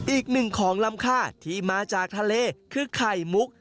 อีกหนึ่งของลำค่าที่มาจากทะเลคือไข่มุก